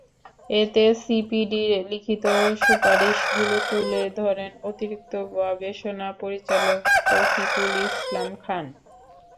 এতে সিপিডির লিখিত সুপারিশগুলো তুলে ধরেন অতিরিক্ত গবেষণা পরিচালক তৌফিকুল ইসলাম খান।